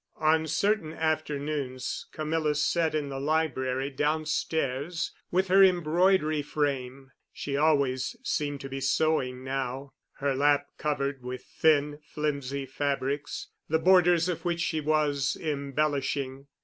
On certain afternoons Camilla sat in the library downstairs with her embroidery frame (she always seemed to be sewing now), her lap covered with thin, flimsy fabrics, the borders of which she was embellishing.